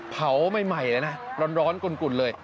เผาใหม่เลยนะร้อนกลุ่นเลย